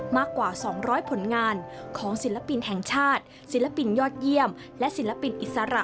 มากกว่า๒๐๐ผลงานของศิลปินแห่งชาติศิลปินยอดเยี่ยมและศิลปินอิสระ